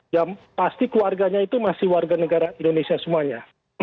yang pasti keluarganya itu masih warga negara indonesia semuanya